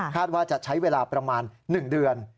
ว่าจะใช้เวลาประมาณ๑เดือน